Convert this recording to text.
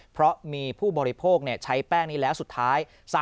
เพราะมีผู้บริโภคใช้แป้งนี้แล้วสุดท้าย